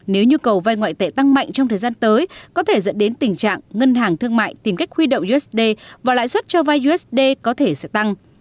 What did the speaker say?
nếu nhu cầu vay ngoại tệ tăng mạnh trong thời gian tới có thể dẫn đến tình trạng ngân hàng thương mại tìm cách huy động usd và lãi suất cho vai usd có thể sẽ tăng